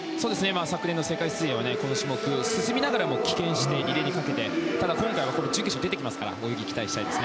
昨年の世界水泳はこの種目、進みながらも棄権してリレーにかけてただ、今回は準決勝に出てきますから泳ぎに期待したいです。